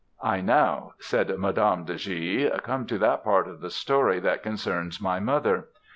"I now, said Madame de G. come to that part of the story that concerns my mother.